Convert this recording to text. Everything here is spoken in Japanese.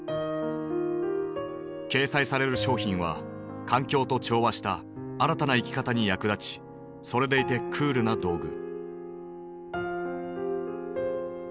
掲載される商品は環境と調和した新たな生き方に役立ちそれでいてクールな道具。